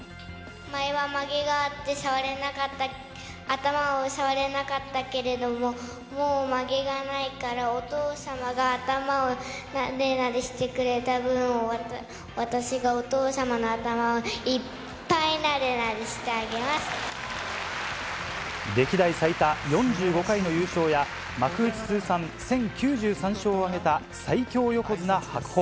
前はまげがあって、頭を触れなかったけれども、もうまげがないから、お父様が頭をなでなでしてくれた分、私がお父様の頭をいっぱい、歴代最多４５歳の優勝や、幕内通算１０９３勝を挙げた最強横綱・白鵬。